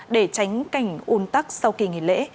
để tránh cảnh un tắc sau kỳ nghỉ lễ